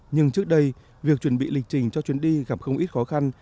nhưng trước đây việc chuẩn bị lịch trình cho chuyến đi gặp không ít khó khăn